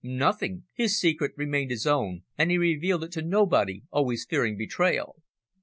"Nothing. His secret remained his own, and he revealed it to nobody always fearing betrayal."